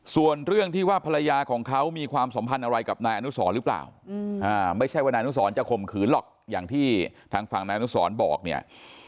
ส่วนเรื่องที่ว่าภรรยาของเขามีความสัมพันธ์อะไรกับนายอนุสรหรือเปล่าไม่ใช่ว่านายอนุสรจะข่มขืนหรอกอย่างที่ทางฝั่งนายอนุสรบอกเนี่ย